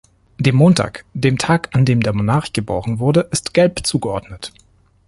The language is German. Dem Montag, dem Tag, an dem der Monarch geboren wurde, ist Gelb zugeordnet.